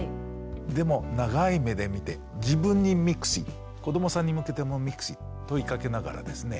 でも長い目で見て自分に「Ｍｉｋｓｉ」子どもさんに向けても「Ｍｉｋｓｉ」問いかけながらですね